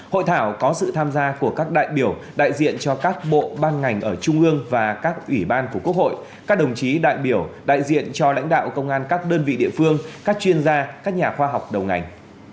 hội thảo có sự tham gia của các đại biểu đại diện cho các bộ ban ngành ở trung ương và các ủy ban của quốc hội các đồng chí đại biểu đại diện cho lãnh đạo công an các đơn vị địa phương các chuyên gia các nhà khoa học đầu ngành